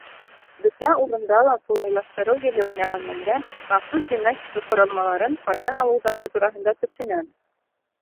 Бөтә урында ла ҡулайлаштырыу еле уйнаған мәлдә махсус гимнастика ҡоролмаларын ҡайҙан алыуҙары тураһында төпсөнәм.